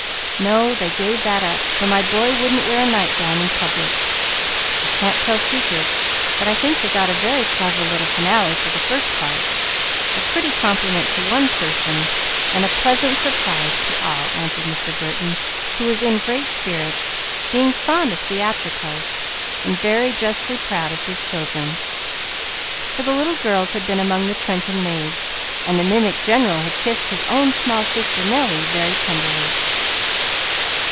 "No; they gave that up, for my boy wouldn't wear a night gown in public. I can't tell secrets, but I think they have got a very clever little finale for the first part a pretty compliment to one person and a pleasant surprise to all," answered Mr. Burton, who was in great spirits, being fond of theatricals and very justly proud of his children, for the little girls had been among the Trenton maids, and the mimic General had kissed his own small sister, Nelly, very tenderly.